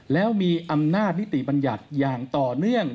แล้วมีอำนาจนิติบัญญัติอย่างต่อเนื่อง